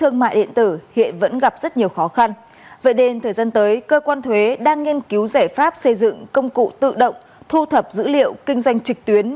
nghiên cứu giải pháp xây dựng công cụ tự động thu thập dữ liệu kinh doanh trịch tuyến